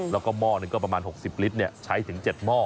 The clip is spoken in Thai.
แล้วก็หม้อหนึ่งก็ประมาณ๖๐ลิตรใช้ถึง๗หม้อ